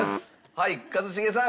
はい一茂さん。